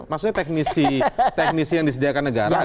maksudnya teknisi yang disediakan negara kan